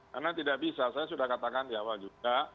karena tidak bisa saya sudah katakan di awal juga